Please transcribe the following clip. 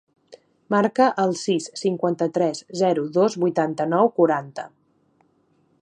Marca el sis, cinquanta-tres, zero, dos, vuitanta-nou, quaranta.